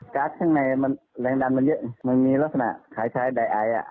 กักในมันมีลักษณะขายชายไดไอ